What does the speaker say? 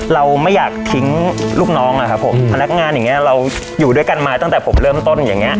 เราไม่อยากทิ้งลูกน้องอะครับผมพนักงานอย่างเงี้ยเราอยู่ด้วยกันมาตั้งแต่ผมเริ่มต้นอย่างเงี้